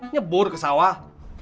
nyebur ke sawah